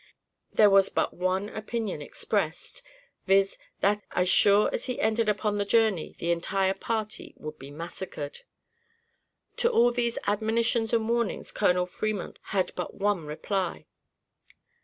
There was but one opinion expressed, viz.: that, as sure as he entered upon the journey, the entire party would be massacred. To all these admonitions and warnings, Colonel Fremont had but one reply.